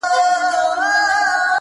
o په خندا کي یې و زوی ته و ویله,